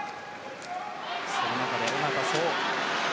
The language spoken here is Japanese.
その中で、小方颯。